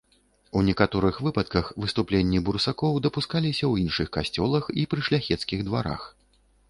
У некаторых выпадках выступленні бурсакоў дапускаліся ў іншых касцёлах і пры шляхецкіх дварах.